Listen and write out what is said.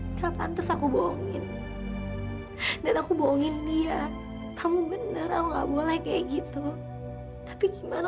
enggak pantas aku bohongin dan aku bohongin dia kamu bener aku nggak boleh kayak gitu tapi gimana